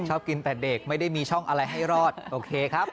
ชอบกินแต่เด็กไม่ได้มีช่องอะไรให้รอดโอเคครับ